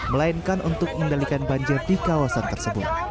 melainkan untuk mengendalikan banjir di kawasan tersebut